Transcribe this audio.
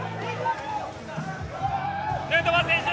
ヌートバー選手！